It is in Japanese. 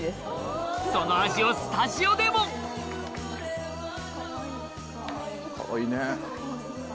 その味をスタジオでもかわいいね。